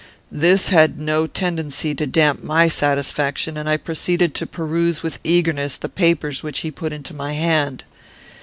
"This had no tendency to damp my satisfaction, and I proceeded to peruse with eagerness the papers which he put into my hand.